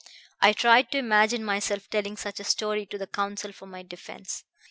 I tried to imagine myself telling such a story to the counsel for my defense.